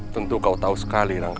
tgembrot nusantara dan kuala malangit